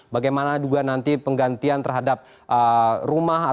bagaimana juga nanti penggantian terhadap rumah